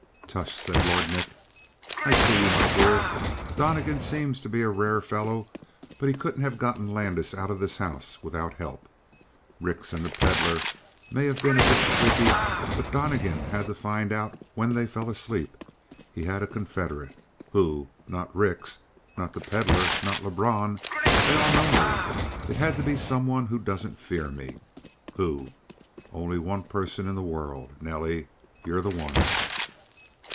"Tush!" said Lord Nick. "I see you, my dear. Donnegan seems to be a rare fellow, but he couldn't have gotten Landis out of this house without help. Rix and the Pedlar may have been a bit sleepy, but Donnegan had to find out when they fell asleep. He had a confederate. Who? Not Rix; not the Pedlar; not Lebrun. They all know me. It had to be someone who doesn't fear me. Who? Only one person in the world. Nelly, you're the one!"